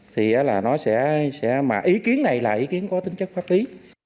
thì nó sẽ mà ý kiến này là ý kiến có tính chất pháp lý